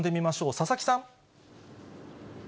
佐々木さん。